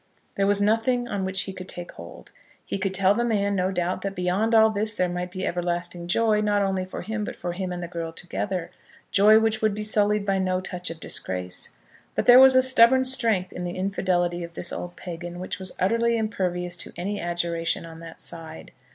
There was nothing on which he could take hold. He could tell the man, no doubt, that beyond all this there might be everlasting joy, not only for him, but for him and the girl together; joy which would be sullied by no touch of disgrace. But there was a stubborn strength in the infidelity of this old Pagan which was utterly impervious to any adjuration on that side.